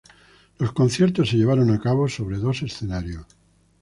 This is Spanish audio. Los conciertos se llevaron a cabo sobre dos escenarios.